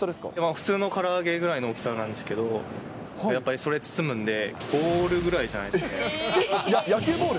普通のから揚げぐらいの大きさなんですけど、やっぱりそれ包むので、ボールぐらいじゃないで野球ボール？